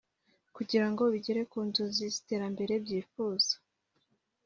kugira ngo bigere ku nzozi z’iterambere byifuza